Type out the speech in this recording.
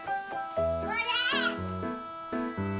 これ！